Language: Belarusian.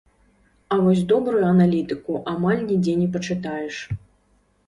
А вось добрую аналітыку амаль нідзе не пачытаеш.